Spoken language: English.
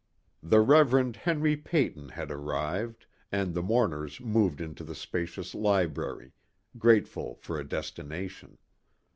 The Reverend Henry Peyton had arrived and the mourners moved into the spacious library, grateful for a destination.